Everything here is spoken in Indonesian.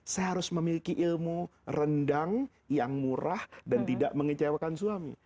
saya harus memiliki ilmu rendang yang murah dan tidak mengecewakan suami